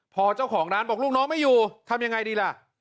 พอเจ้าของร้านบอกลูกน้องไม่อยู่ทำยังไงดีล่ะ